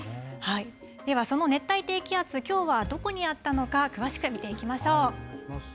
では、その熱帯低気圧、きょうはどこにあったのか、詳しく見ていきましょう。